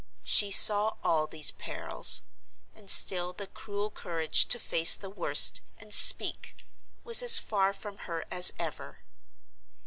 She saw all these perils—and still the cruel courage to face the worst, and speak, was as far from her as ever.